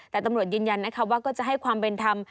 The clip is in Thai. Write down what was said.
แต่ตำรวจยืนยันนะคะว่าก็จะให้ความเป็นธรรม